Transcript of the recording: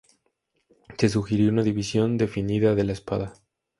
Se sugirió una división definida de la espada.